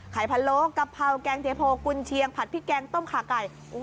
พะโลกะเพราแกงเทโพกุญเชียงผัดพริกแกงต้มขาไก่